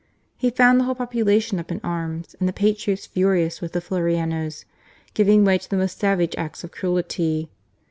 He found the whole population up in arms, and the patriots, furious with the " Flo reanos," giving way to the most savage acts of cruelty.